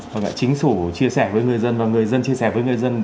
vâng ạ chính xủ chia sẻ với người dân và người dân chia sẻ với người dân